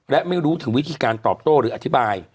และไม่รู้ถึงวิธีการตอบโต้หรืออธิบาย